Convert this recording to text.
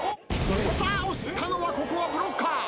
さあ押したのはブロッカー。